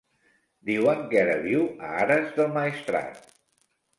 Diuen que ara viu a Ares del Maestrat.